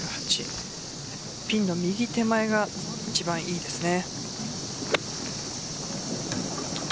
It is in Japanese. ピンの右手前が一番いいですね。